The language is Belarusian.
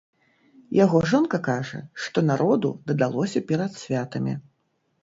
Яго жонка кажа, што народу дадалося перад святамі.